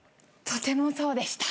とてもそうでした。